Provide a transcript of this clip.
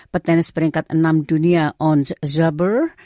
petenis peringkat enam dunia ons zabur